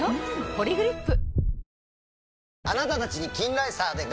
「ポリグリップ」